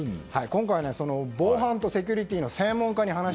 今回、その防犯とセキュリティーの専門家